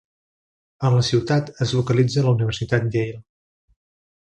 En la ciutat es localitza la Universitat Yale.